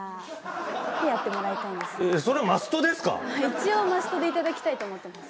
一応マストで頂きたいと思ってます。